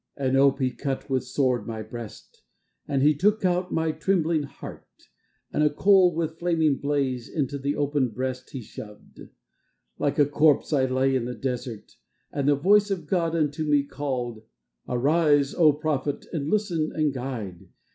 And ope he cut with sword my breast, And out he took my trembling heart, And a coal with flaming blaze Into the opened breast he shoved. Like a corpse I lay in the desert. And the voice of God unto me called: Arise, O prophet, and listen, and guide.